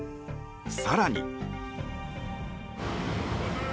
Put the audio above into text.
更に。